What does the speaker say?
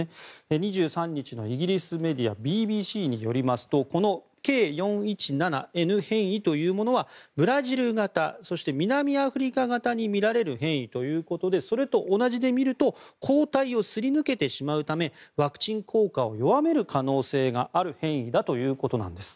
２３日のイギリスメディアＢＢＣによりますとこのＫ４１７Ｎ変異というものはブラジル型そして南アフリカ型にみられる変異ということでそれと同じで見ると抗体をすり抜けてしまうためワクチン効果を弱める可能性がある変異だということです。